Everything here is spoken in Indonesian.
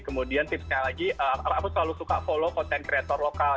kemudian tipsnya lagi aku selalu suka follow content creator lokal